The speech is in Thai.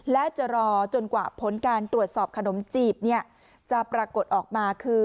และจะรอจนกว่าผลการตรวจสอบขนมจีบจะปรากฏออกมาคือ